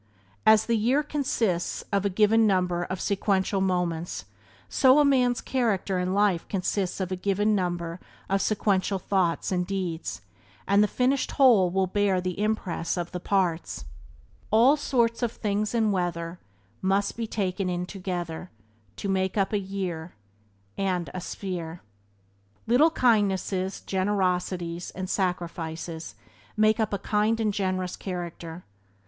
As the year consists, of a given number of sequential moments, so a man's character and life consists of a given number of sequential thoughts and deeds, and the finished whole will bear the impress of the parts. "All sorts of things and weather Must be taken in together, To make up a year And a sphere." Byways to Blessedness by James Allen 12 Little kindnesses, generosities, and sacrifices make up a kind and generous character.